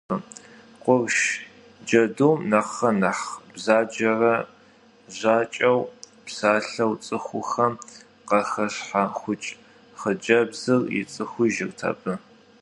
Къурш джэдум нэхърэ нэхъ бзаджэрэ жьакӏуэу псалъэу цӏыхухэм къахэщхьэхукӏ хъыджэбзыр ицӏыхужырт абы.